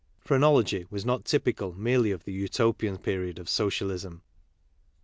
Phrenologj was not typical merely of the Utopian period of Socialism.